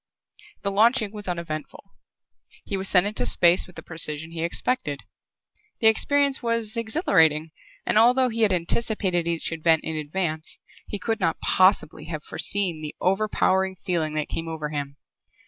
The launching was uneventful. He was sent into space with the precision he expected. The experience was exhilarating and, although he had anticipated each event in advance, he could not possibly have foreseen the overpowering feeling that came over him.